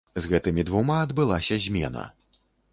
З гэтымі двума адбылася змена.